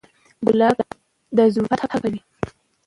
ګلاب د زړونو فتحه کوي.